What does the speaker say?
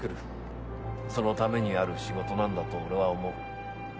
そのためにある仕事なんだと俺は思う。